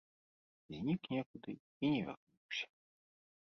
Знік некуды і не вярнуўся.